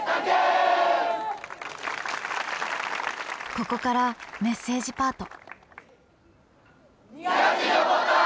ここからメッセージパート。